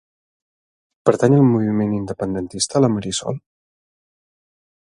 Pertany al moviment independentista la Marisol?